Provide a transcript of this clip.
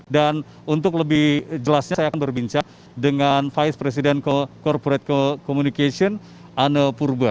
dan untuk lebih jelasnya saya akan berbincang dengan vice president corporate communication anel purba